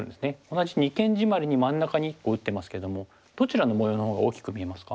同じ二間ジマリに真ん中に１個打ってますけどもどちらの模様のほうが大きく見えますか？